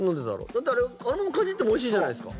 だってあれ、あのままかじってもおいしいじゃないですか？